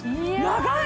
長い！